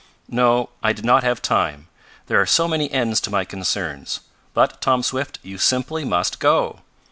"No, I did not have time. There are so many ends to my concerns. But, Tom Swift, you simply must go!"